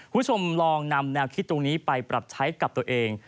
คุณผู้ชมลองนำแนวคิดตรงนี้ไปปรับใช้กับตัวเอง